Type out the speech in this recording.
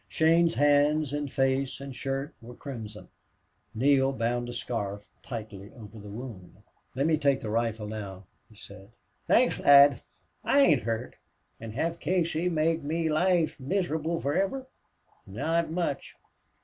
Shane's hands and face and shirt were crimson. Neale bound a scarf tightly over the wound. "Let me take the rifle now," he said. "Thanks, lad. I ain't hurted. An' hev Casey make me loife miserable foriver? Not much.